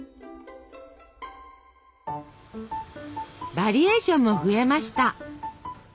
バリエーションも増えました。